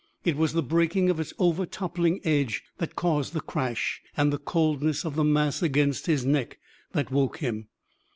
It was the breaking of its over toppling edge that caused the crash, and the coldness of the mass against his neck that woke him.